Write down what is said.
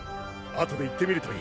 後で行ってみるといい。